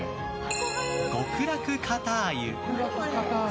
極楽かたゆ。